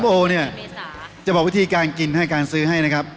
โอเนี่ยจะบอกวิธีการกินให้การซื้อให้นะครับ